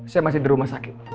saya masih di rumah sakit